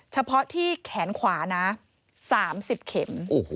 เฉพาะที่แขนขวานะ๓๐เข็ม